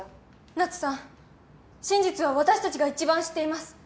ナツさん真実は私たちが一番知っています。